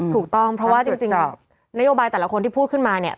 ถูกต้องเพราะว่าจริงนโยบายแต่ละคนที่พูดขึ้นมาเนี่ย